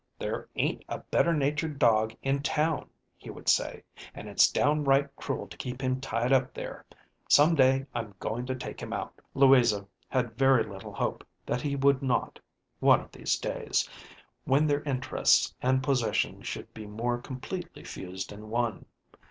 "There ain't a better natured dog in town," be would say, " and it's down right cruel to keep him tied up there. Some day I'm going to take him out." Louisa had very little hope that be would not, one of these days, when their interests and possessions should be more completely fused in one.